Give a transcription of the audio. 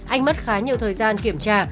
anh mất khá nhiều thời gian kiểm tra